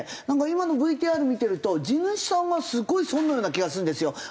なんか今のＶＴＲ見てると地主さんがすごい損のような気がするんですよ。